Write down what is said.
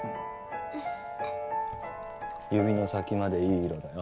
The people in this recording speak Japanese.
指の先までいい色だよ。